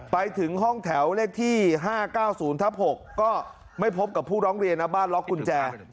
ไปถึงห้องแถวเลขที่๕๙๐ทับ๖ก็ไม่พบกับผู้ร้องเรียนนะบ้านล็อกกุญแจ